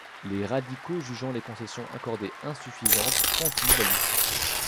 Les radicaux, jugeant les concessions accordées insuffisantes continuent la lutte.